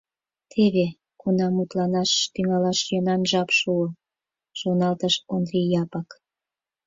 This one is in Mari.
«Теве кунам мутланаш тӱҥалаш йӧнан жап шуо», — шоналтыш Ондри Япык.